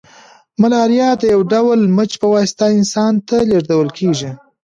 ملاریا د یو ډول مچ په واسطه انسان ته لیږدول کیږي